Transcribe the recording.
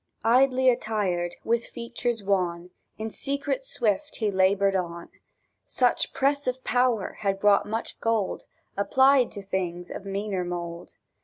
Idly attired, with features wan, In secret swift he laboured on: Such press of power had brought much gold Applied to things of meaner mould.